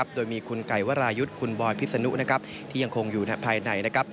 โดยมีคุณไก่วรายุทธ์คุณบอยพิษนุที่ยังคงอยู่ภายในนะครับ